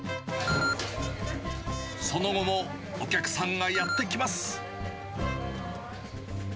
その後もお客さんがやって来ます。